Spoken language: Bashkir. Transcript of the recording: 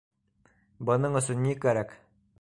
Бының өсөн ни кәрәк?